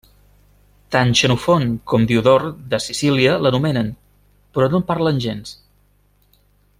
Tant Xenofont com Diodor de Sicília l'anomenen, però no en parlen gens.